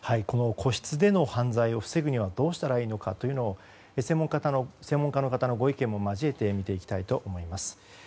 個室での犯罪を防ぐにはどうしたらいいのかを専門家の方のご意見も交えて見ていきたいと思います。